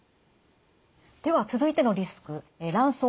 では続いてのリスク卵巣